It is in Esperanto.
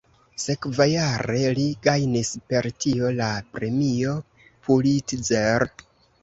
Sekvajare li gajnis per tio la Premio Pulitzer.